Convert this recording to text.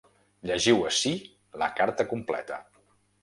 Llegiu ací la carta completa.